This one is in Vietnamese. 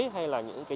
hay là những cái